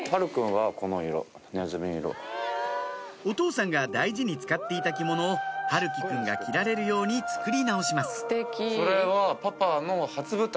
お父さんが大事に使っていた着物を陽喜くんが着られるように作り直します